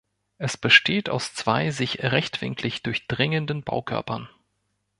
Es besteht aus zwei sich rechtwinklig durchdringenden Baukörpern.